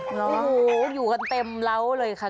โอ้โหอยู่กันเต็มเล้าเลยค่ะ